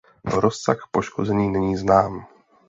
Rozsah poškození není znám.